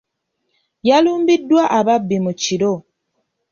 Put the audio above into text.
Yalumbiddwa ababbi mu kiro.